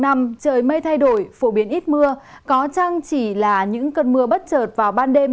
trời mây thay đổi phổ biến ít mưa có chăng chỉ là những cơn mưa bất trợt vào ban đêm